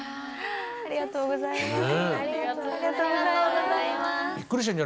ありがとうございます。